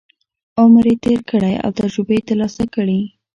عمر یې تېر کړی او تجربې یې ترلاسه کړي.